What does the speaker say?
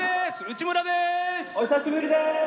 内村です。